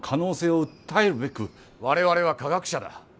我々は科学者だ！